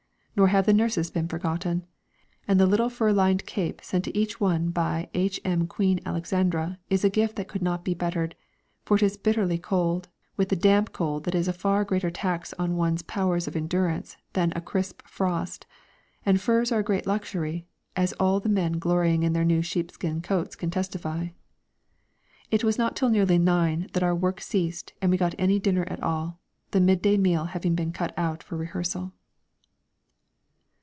Nor have the nurses been forgotten, and the little fur lined cape sent to each one by H.M. Queen Alexandra is a gift that could not be bettered; for it is bitterly cold, with the damp cold that is a far greater tax upon one's powers of endurance than a crisp frost, and furs are a great luxury, as all the men glorying in their new sheepskin coats can testify. It was not till nearly nine that our work ceased and we got any dinner at all, the midday meal having been cut out for a rehearsal.